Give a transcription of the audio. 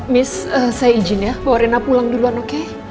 miss saya izin ya bawa rena pulang duluan oke